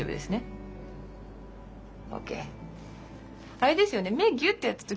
あれですよね？